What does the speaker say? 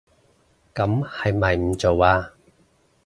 噉係咪唔做吖